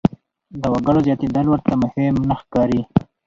د وګړو زیاتېدل ورته مهم نه ښکاري.